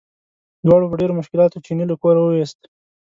دواړو په ډېرو مشکلاتو چیني له کوره وویست.